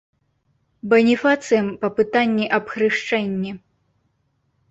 Баніфацыем па пытанні аб хрышчэнні.